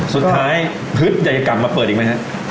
สุดท้ายพึทยากรรมมาเปิดอีกไหมครับ